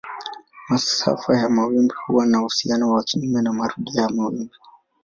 Masafa ya mawimbi huwa na uhusiano wa kinyume na marudio ya wimbi.